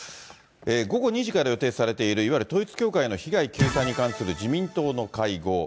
午後２時から予定されているいわゆる統一教会の被害救済に関する自民党の会合。